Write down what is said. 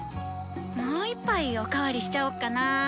もう１杯お代わりしちゃおっかな。